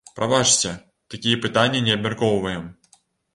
Прабачце, такія пытанні не абмяркоўваем.